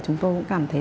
chúng tôi cũng cảm thấy